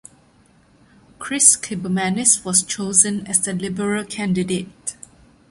Chris Kibermannis was chosen as the Liberal candidate.